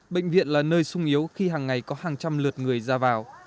bệnh viện là nơi sung yếu khi hàng ngày có hàng trăm lượt người ra vào